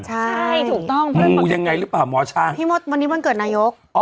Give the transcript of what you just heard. ใช่ถูกต้องเพื่อนดูยังไงหรือเปล่าหมอช้างพี่มดวันนี้วันเกิดนายก